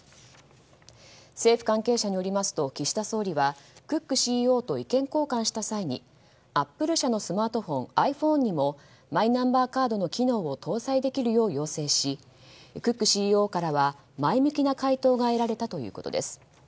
政府関係者によりますと岸田総理はクックＣＥＯと意見交換した際にアップル社のスマートフォンｉＰｈｏｎｅにもマイナンバーカードの機能を搭載できるよう要請しクックＣＥＯからは前向きな回答が得られたということです。